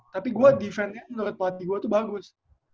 tapi gue defensenya menurut pelatih gue tuh bagus